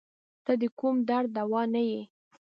ته د کوم درد دوا نه یی